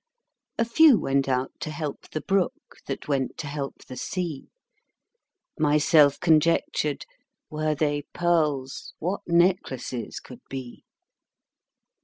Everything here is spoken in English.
A few went out to help the brook, That went to help the sea. Myself conjectured, Were they pearls, What necklaces could be!